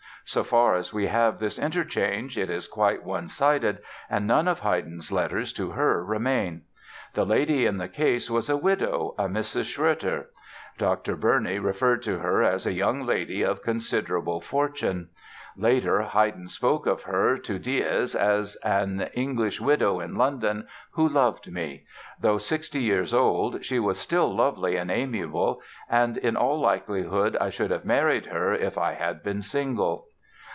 So far as we have this interchange it is quite one sided and none of Haydn's letters to her remain. The lady in the case was a widow, a Mrs. Schroeter. Dr. Burney referred to her as "a young lady of considerable fortune". Later, Haydn spoke of her to Dies, as "an English widow in London who loved me. Though 60 years old, she was still lovely and amiable, and in all likelihood I should have married her if I had been single."